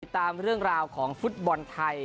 ตามเรื่องราวของฟุตบอลไทย